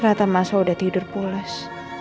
rata mas al udah tidur pulas